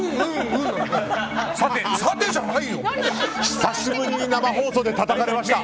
久しぶりに生放送でたたかれました。